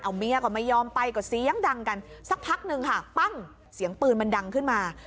เอาเมียก็ไม่ยอมไปก็เสียงดังกันสักพักหนึ่งค่ะปั้งเสียงปืนมันดังขึ้นมา